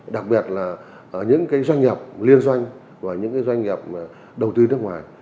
đặc biệt là những cái doanh nghiệp liên doanh và những cái doanh nghiệp đầu tư nước ngoài